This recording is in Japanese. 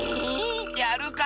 やるか！